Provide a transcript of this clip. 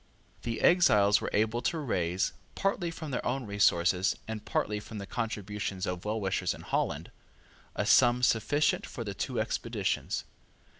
The exiles were able to raise, partly from their own resources and partly from the contributions of well wishers in Holland, a sum sufficient for the two expeditions.